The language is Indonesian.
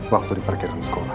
waktu di parkiran sekolah